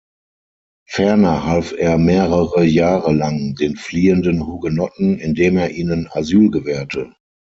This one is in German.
Ferner half er mehrere Jahre lang den fliehenden Hugenotten, indem er ihnen Asyl gewährte.